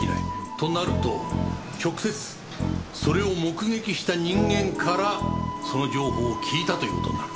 となると直接それを目撃した人間からその情報を聞いたという事になる。